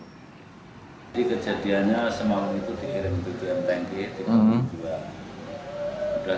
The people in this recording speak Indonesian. jadi kejadiannya semalam itu dikirim ke dmt di tangki